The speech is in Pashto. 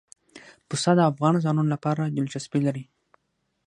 پسه د افغان ځوانانو لپاره دلچسپي لري.